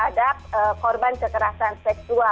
untuk memberikan kemampuan negara